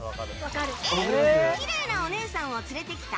Ａ、きれいなお姉さんを連れてきた。